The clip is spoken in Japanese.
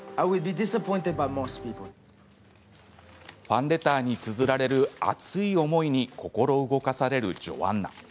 ファンレターにつづられる熱い思いに心動かされるジョアンナ。